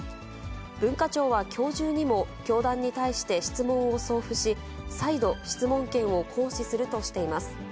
文化庁はきょう中にも、教団に対して質問を送付し、再度、質問権を行使するとしています。